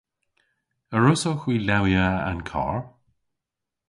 A wrussowgh hwi lewya an karr?